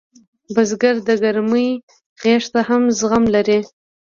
بزګر د ګرمۍ غېږ ته هم زغم لري